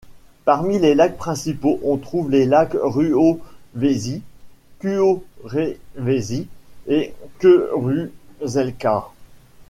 Parmi les lacs principaux on trouve les lacs Ruovesi, Kuorevesi et Keurusselkä.